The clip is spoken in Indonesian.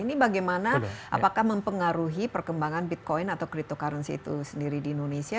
ini bagaimana apakah mempengaruhi perkembangan bitcoin atau cryptocurrency itu sendiri di indonesia